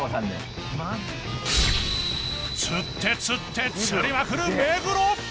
［釣って釣って釣りまくる目黒］